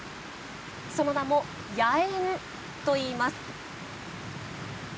その名も野猿といいます。